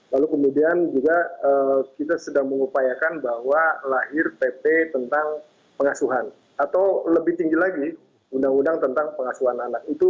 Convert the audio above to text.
lalu kemudian juga kita sedang mengupayakan bahwa lahir pp tentang pengasuhan atau lebih tinggi lagi undang undang tentang pengasuhan anak